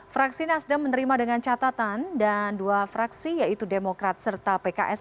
fraksi nasdem menerima dengan catatan dan dua fraksi yaitu demokrat serta pks